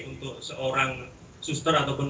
untuk seorang suster ataupun